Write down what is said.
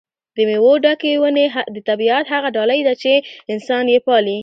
د مېوو ډکې ونې د طبیعت هغه ډالۍ ده چې انسان یې پالي.